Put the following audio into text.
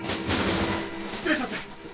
失礼します！